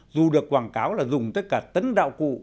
dù được quảng cáo là dùng tất cả tấn đạo cụ